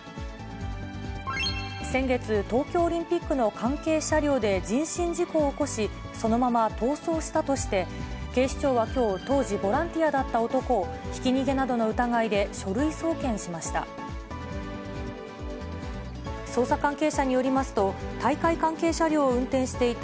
先月、東京オリンピックの関係車両で人身事故を起こし、そのまま逃走したとして、警視庁はきょう、当時ボランティアだった男をひき逃げなどの疑いで書類送検しました。